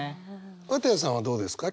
綿矢さんはどうですか？